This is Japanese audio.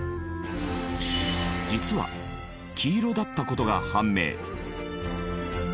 実は黄色だった事が判明。